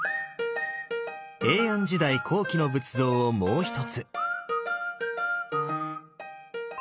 平安時代後期の仏像をもう一つ。